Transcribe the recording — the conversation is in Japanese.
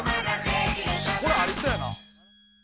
これありそうやなぼぼ？